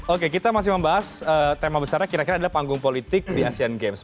oke kita masih membahas tema besarnya kira kira adalah panggung politik di asean games